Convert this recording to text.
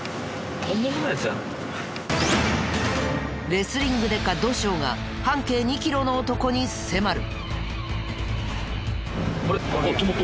レスリングデカ土性が半径２キロの男に迫る。